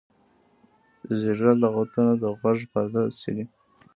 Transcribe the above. زیږه لغتونه د غوږ پرده څیري.